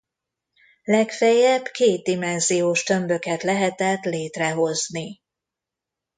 Legfeljebb kétdimenziós tömböket lehetett létrehozni.